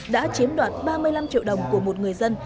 đã chiếm đoạt ba mươi năm triệu đồng của một người dân